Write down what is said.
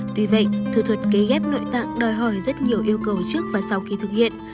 tuy vậy thủ thuật cấy ghép nội tạng đòi hỏi rất nhiều yêu cầu trước và sau khi thực hiện